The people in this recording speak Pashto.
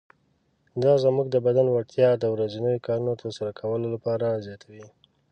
دا زموږ د بدن وړتیا د ورځنیو کارونو تر سره کولو لپاره زیاتوي.